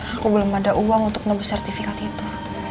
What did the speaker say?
aku belum ada uang untuk nebus sertifikat itu